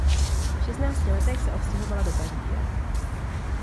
V šestnácti letech se odstěhovala do Paříže.